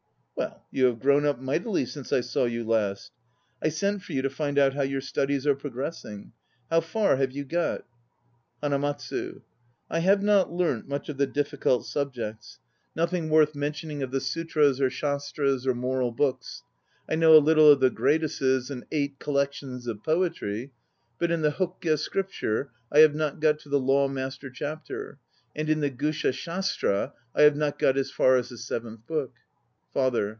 Well, you have grown up mightily since I saw you last. I sent for you to find out how your studies are progressing. How far have you got? HANAMATSU. I have not learnt much of the difficult subjects. Nothing worth 241 242 THE NO PLAYS OF JAPAN mentioning of the Sutras or Shastras or moral books. I know a little of the graduses and Eight Collections of Poetry; but in the Hokke Scripture I have not got to the Law Master Chapter, and in the Gusha shastra I, have not got as far as the Seventh Book. FATHER.